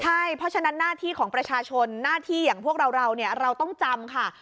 ใช่เพราะฉะนั้นหน้าที่ของประชาชนหน้าที่อย่างพวกเราเนี่ยเราต้องจำค่ะ